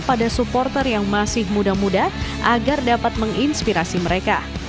pada supporter yang masih muda muda agar dapat menginspirasi mereka